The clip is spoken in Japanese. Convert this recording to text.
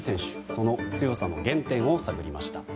その強さの原点を探りました。